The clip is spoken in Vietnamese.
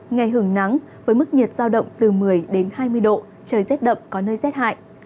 ngày hưởng nắng với mức nhiệt giao động từ một mươi đến hai mươi độ trời rét đậm có nơi rét hại